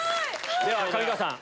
では上川さん